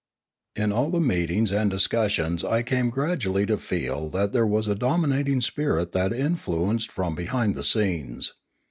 In all the meetings and discussions I came gradually to feel that there was a dominating spirit that influ enced from behind the scenes.